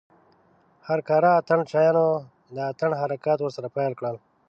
هر کاره اتڼ چيانو د اتڼ حرکات ورسره پيل کړل.